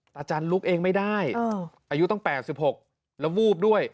จันลุกเองไม่ได้อายุตั้ง๘๖แล้ววูบด้วย